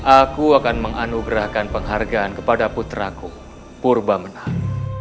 aku akan menganugerahkan penghargaan kepada putraku purba menang